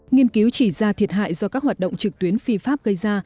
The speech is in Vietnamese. nghiên cứu chỉ ra thiệt hại do các hoạt động trực tuyến phi pháp gây ra